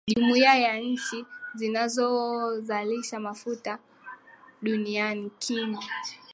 Jumuiya ya nchi zinazozalisha mafuta duniani Kiing